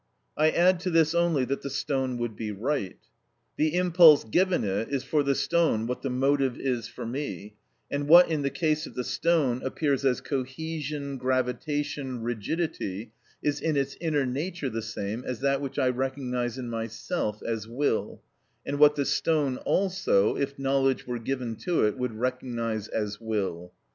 I add to this only that the stone would be right. The impulse given it is for the stone what the motive is for me, and what in the case of the stone appears as cohesion, gravitation, rigidity, is in its inner nature the same as that which I recognise in myself as will, and what the stone also, if knowledge were given to it, would recognise as will.